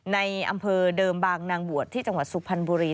ในอำเภอเดิมบางนางบวชที่จังหวัดสุพรรณบุรี